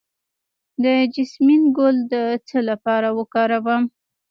د جیسمین ګل د څه لپاره وکاروم؟